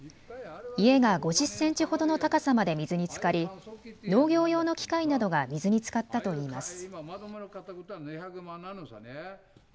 家が５０センチほどの高さまで水につかり農業用の機械などが水につかったといいます。